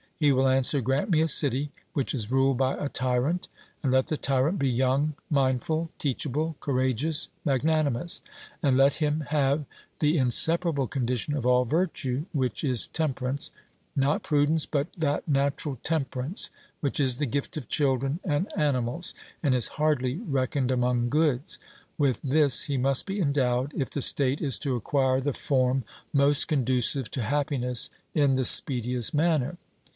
He will answer, Grant me a city which is ruled by a tyrant; and let the tyrant be young, mindful, teachable, courageous, magnanimous; and let him have the inseparable condition of all virtue, which is temperance not prudence, but that natural temperance which is the gift of children and animals, and is hardly reckoned among goods with this he must be endowed, if the state is to acquire the form most conducive to happiness in the speediest manner.